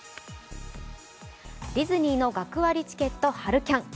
ディズニーの学割チケット・春キャン。